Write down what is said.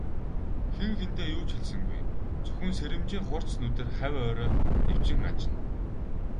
Хэн хэндээ юу ч хэлсэнгүй, зөвхөн сэрэмжийн хурц нүдээр хавь ойроо нэвчин ажна.